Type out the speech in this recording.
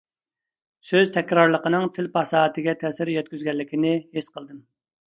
سۆز تەكرارلىقىنىڭ تىل پاساھىتىگە تەسىر يەتكۈزگەنلىكىنى ھېس قىلدىم.